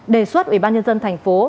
đề xuất ubnd tp